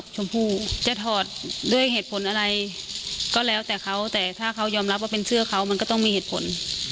ชมพู่จะถอดด้วยเหตุผลอะไรก็แล้วแต่เขาแต่ถ้าเขายอมรับว่าเป็นเสื้อเขามันก็ต้องมีเหตุผล